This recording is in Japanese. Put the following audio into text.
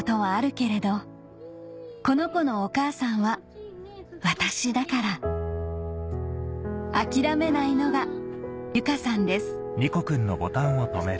けれどこの子のお母さんは私だから諦めないのが由佳さんです